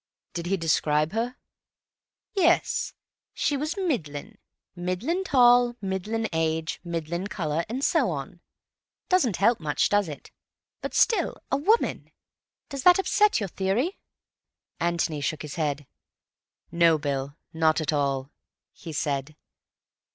"Did he describe her?" "Yes. She was middlin'. Middlin' tall, middlin' age, middlin' colour, and so on. Doesn't help much, does it? But still—a woman. Does that upset your theory?" Antony shook his head. "No, Bill, not at all," he said.